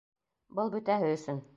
Был бөтәһе өсөн!